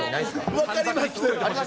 分かります。